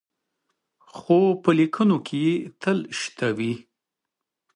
خو په لیکنو کې یې تل شته وي.